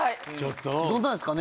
どんなですかね？